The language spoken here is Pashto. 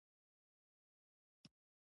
د هلمند په مارجه کې د رخام نښې شته.